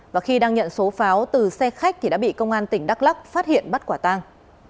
và khi đang nhận số pháo từ xe khách thì đã bị công an tỉnh đắk lắc phát hiện bắt quả tang